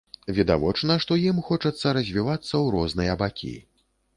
Відавочна, што ім хочацца развівацца ў розныя бакі.